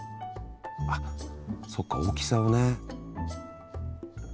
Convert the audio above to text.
あっそっか大きさをね。